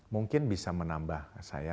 mungkin bisa menambah saya